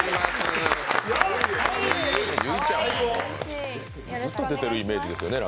有以ちゃんはずっと出てるイメージですよね。